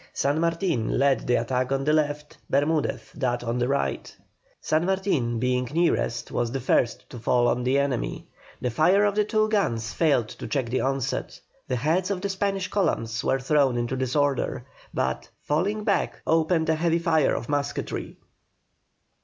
San Martin led the attack on the left, Bermudez that on the right. San Martin being nearest was the first to fall on the enemy. The fire of the two guns failed to check the onset; the heads of the Spanish columns were thrown into disorder, but, falling back, opened a heavy fire of musketry.